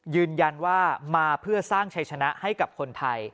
ยืนยันว่ามาเพื่อสร้างชัยชนะให้กับคนไทย